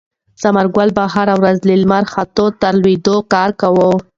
ثمرګل به هره ورځ له لمر خاته تر لمر لوېدو کار کوي.